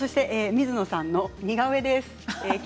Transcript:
水野さんの似顔絵です。